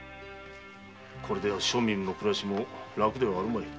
これでは庶民の暮らしも楽ではあるまい。